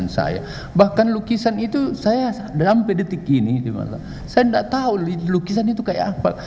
saksi yang lain cukup